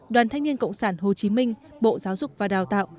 đoàn thanh niên cộng sản hồ chí minh bộ giáo dục và đào tạo